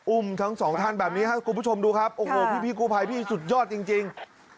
อุ้มทั้งสองท่านแบบนี้ครับคุณผู้ชมดูครับโอ้โหพี่กู้ภัยพี่สุดยอดจริง